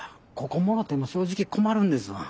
ここもろても正直困るんですわ。